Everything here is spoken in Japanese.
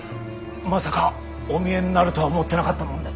まさかお見えになるとは思ってなかったもんで。